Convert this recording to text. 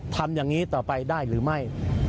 ทำอย่างนี้ต่อไปได้หรือไม่